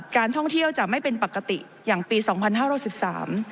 การท่องเที่ยวจะไม่เป็นปกติอย่างปีสองพันห้าร้อยสิบสาม